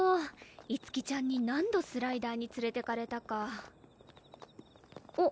五月ちゃんに何度スライダーに連れてかれたかあっ